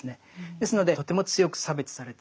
ですのでとても強く差別されている。